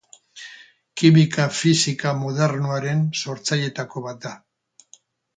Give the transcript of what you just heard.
Kimika-fisika modernoaren sortzaileetako bat da.